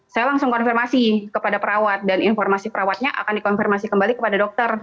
saya langsung konfirmasi kepada perawat dan informasi perawatnya akan dikonfirmasi kembali kepada dokter